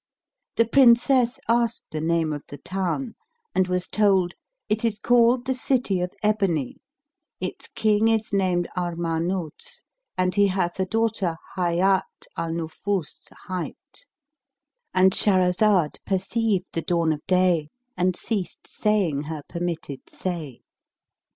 The Princess asked the name of the town and was told, "It is called the City of Ebony; its King is named Armanús, and he hath a daughter Hayát al Nufús[FN#313] hight,"—And Shahrazad perceived the dawn of day and ceased to say her permitted say.